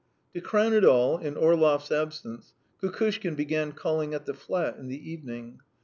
To crown it all, in Orlov's absence, Kukushkin began calling at the flat in the evening.